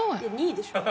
２位でしょ？